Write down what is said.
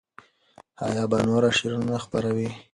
حیا به نور شعرونه خپروي.